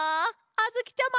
あづきちゃま！